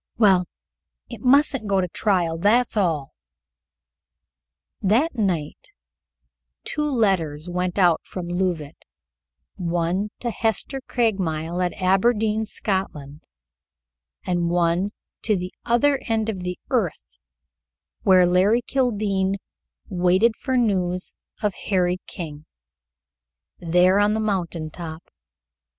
"Well, it mustn't go to a trial, that's all." That night two letters went out from Leauvite, one to Hester Craigmile at Aberdeen, Scotland, and one to the other end of the earth, where Larry Kildene waited for news of Harry King, there on the mountain top.